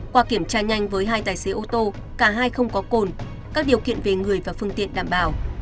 qua kiểm tra nhanh với hai tài xế ô tô cả hai không có cồn các điều kiện về người và phương tiện đảm bảo